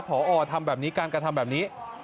พอทำแบบนี้การกระทำแบบนี้